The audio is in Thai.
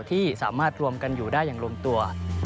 ที่สามารถรวมกันอยู่ได้อย่างลงตัว